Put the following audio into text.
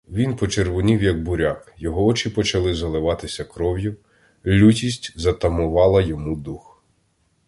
Він почервонів, як буряк, його очі почали заливатися кров'ю, лютість затамувала йому дух.